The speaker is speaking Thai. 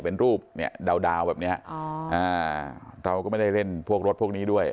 เป็นรูปดาวแบบเนี่ยเราก็ไม่ได้เล่นพวกรถพวกนี้ด้วย